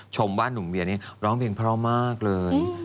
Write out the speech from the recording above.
ชมว่านุ่มเวียนี่ร้องเพลงเพราะมากเลย